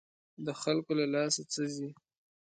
د خلکو له لاسه څه ځي.